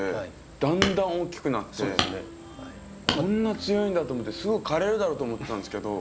だんだん大きくなってこんな強いんだと思ってすぐ枯れるだろうと思ってたんですけど